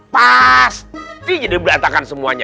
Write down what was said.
pastii jadi beratakan semuanya